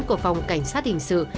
của phòng cảnh sát hình sự